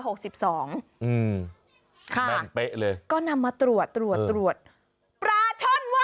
อืมแม่งเป๊ะเลยค่ะก็นำมาตรวจตรวจตรวจปลาช่อนว่า